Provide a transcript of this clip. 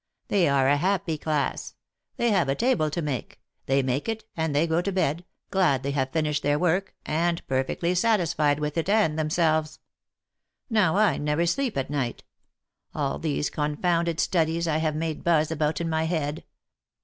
They are a happy class. They have a table to make. They make it, and they go to bed, glad they have finished their work, and perfectly satisfied with it and themselves. Now I never sleep at night. All these confounded studies I have made buzz about in my head.